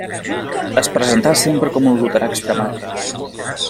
Es presentà sempre com a luterà extremat.